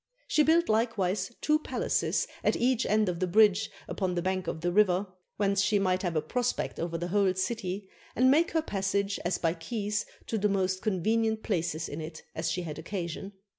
She built likewise two palaces at each end of the bridge upon the bank of the river, whence she might have a prospect over the whole city, and make her passage as by keys to the most conven ient places in it as she had occasion.